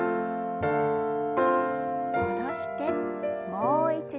戻してもう一度。